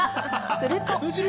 すると。